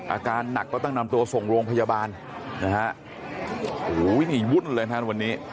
อาการหนักก็ต้องนำตัวส่งโรงพยาบาลนะฮะโอ้โหนี่วุ่นเลยนะฮะวันนี้